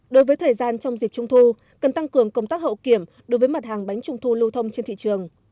đối với thời gian trong dịp trung thu cần tăng cường công tác hậu kiểm đối với mặt hàng bánh trung thu lưu thông trên thị trường